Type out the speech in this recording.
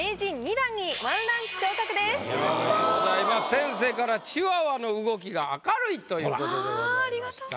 先生から「チワワの動きが明るい！」ということでございました。